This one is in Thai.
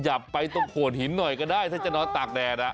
อยากไปตรงโขดหินหน่อยก็ได้ถ้าจะนอนตากแดด